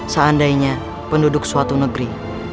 seandainya penduduk suatu negeri